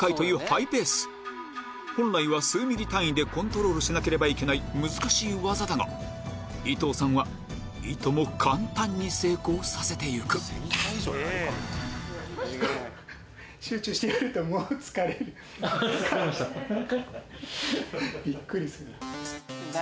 本来は数ミリ単位でコントロールしなければいけない難しい技だが伊藤さんはいとも簡単に成功させていくビックリする。